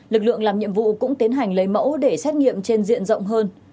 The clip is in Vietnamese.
lực lượng làm nhiệm vụ cũng tiến hành lấy mẫu để xét nghiệm trên diện rộng hơn